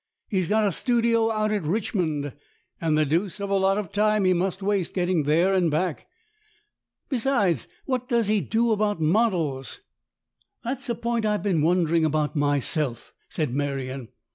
He's got a studio out at Richmond, and the deuce of a lot of time he must waste getting there and back. Besides, what does he do about models?" " That's a point I've been wondering about myself," said Merion.